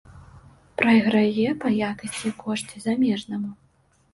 Прайграе па якасці і кошце замежнаму.